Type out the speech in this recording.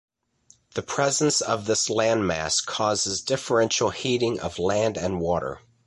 The presence of this landmass causes differential heating of land and water.